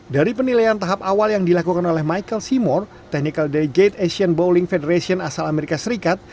dari penilaian tahap awal yang dilakukan oleh michael seamore technical day gate asian bowling federation asal amerika serikat